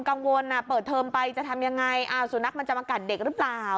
กังวลเปิดเทอมไปจะทำยังไงอ้าวสุนัขมันจะมากัดเด็กหรือเปล่า